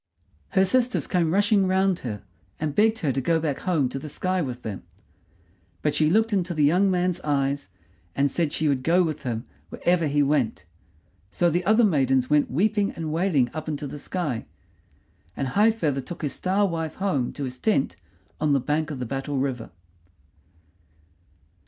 Her sisters came rushing round her, and begged her to go back home to the sky with them; but she looked into the young man's eyes, and said she would go with him wherever he went. So the other maidens went weeping and wailing up into the sky, and High feather took his Star wife home to his tent on the bank of the Battle River.